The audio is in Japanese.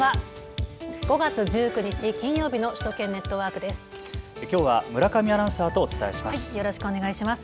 ５月１９日、金曜日の首都圏ネットワークです。